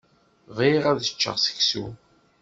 Bɣiɣ ad ččeɣ seksu.